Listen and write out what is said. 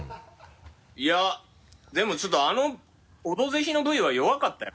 いやでもちょっとあの「オドぜひ」のＶは弱かったよ。